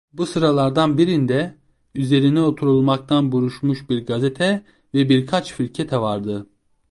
Bu sıralardan birinde, üzerine oturulmaktan buruşmuş bir gazete ve birkaç firkete vardı.